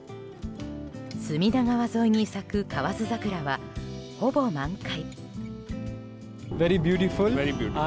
隅田川沿いに咲く河津桜はほぼ満開。